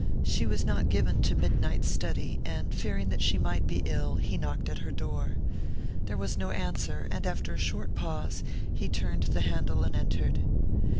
She was not given to midnight study, and fearing that she might be ill he knocked at her door. There was no answer, and after a short pause he turned the handle and entered.